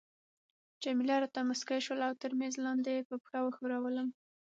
جميله راته مسکی شول او تر میز لاندي يې په پښه وښورولم.